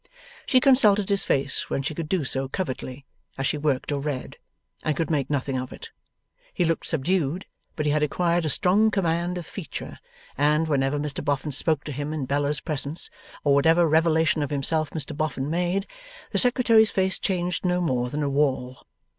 She consulted his face when she could do so covertly, as she worked or read, and could make nothing of it. He looked subdued; but he had acquired a strong command of feature, and, whenever Mr Boffin spoke to him in Bella's presence, or whatever revelation of himself Mr Boffin made, the Secretary's face changed no more than a wall.